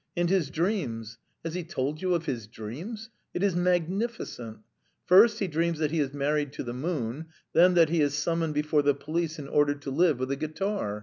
And his dreams! Has he told you of his dreams? It is magnificent! First, he dreams that he is married to the moon, then that he is summoned before the police and ordered to live with a guitar